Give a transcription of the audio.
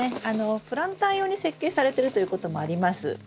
プランター用に設計されてるということもあります。